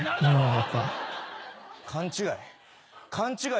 勘違い？